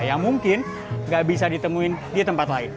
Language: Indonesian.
yang mungkin nggak bisa ditemuin di tempat lain